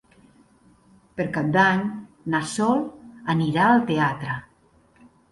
Per Cap d'Any na Sol anirà al teatre.